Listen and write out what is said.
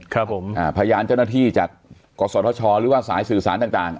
ครับผมอ่าพยานเจ้าหน้าที่จากกศธชหรือว่าสายสื่อสารต่างต่าง